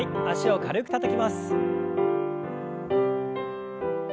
脚を軽くたたきます。